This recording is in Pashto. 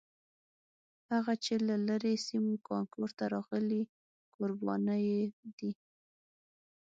هغه چې له لرې سیمو کانکور ته راغلي کوربانه یې دي.